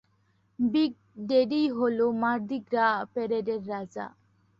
Big ড্যাডিই হলো Mardi Gras প্যারেডের রাজা।